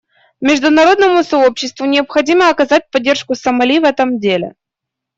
Международному сообществу необходимо оказать поддержку Сомали в этом деле.